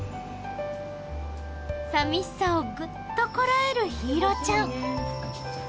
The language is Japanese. ・寂しさをぐっとこらえる陽彩ちゃん